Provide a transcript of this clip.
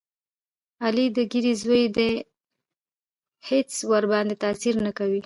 علي د یږې زوی دی هېڅ ورباندې تاثیر نه کوي.